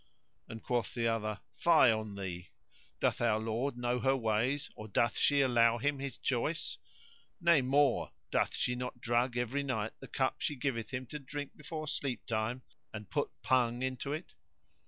and quoth the other, "Fie on thee! doth our lord know her ways or doth she allow him his choice? Nay, more, doth she not drug every night the cup she giveth him to drink before sleep time, and put Bhang[FN#119] into it?